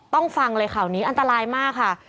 ฟังเลยข่าวนี้อันตรายมากค่ะ